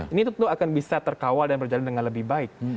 ini tentu akan bisa terkawal dan berjalan dengan lebih baik